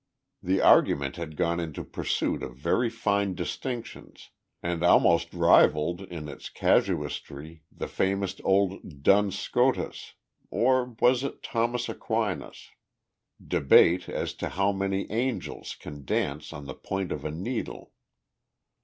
The argument had gone into pursuit of very fine distinctions, and almost rivalled in its casuistry the famous old Duns Scotus or was it Thomas Aquinas? debate as to how many angels can dance on the point of a needle.